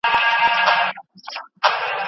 ژوند باید په عقل کارولو تېز سي.